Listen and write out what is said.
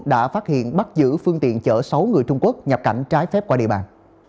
đã phát hiện bắt giữ phương tiện chở sáu người trung quốc nhập cảnh trái phép qua địa bàn